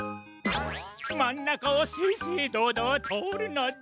まんなかをせいせいどうどうとおるのだ！